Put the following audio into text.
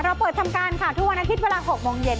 เปิดทำการค่ะทุกวันอาทิตย์เวลา๖โมงเย็น